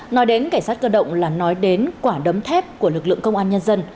nói đến cảnh sát cơ động là nói đến quả đấm thép của lực lượng công an nhân dân